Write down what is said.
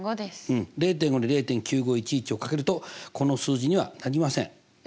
うん０．５に０．９５１１を掛けるとこの数字にはなりません。